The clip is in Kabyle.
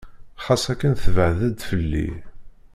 Xas akken tbeɛdeḍ fell-i.